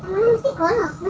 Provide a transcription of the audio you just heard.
kalau enggak mau kamu tak bunuh